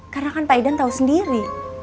karena kan pak idan tahu sendiri